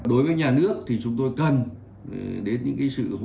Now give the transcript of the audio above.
đối với nhà nước thì chúng tôi cần đến những sự hỗ trợ